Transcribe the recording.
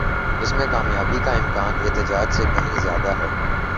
اس میں کامیابی کا امکان احتجاج سے کہیں زیادہ ہے۔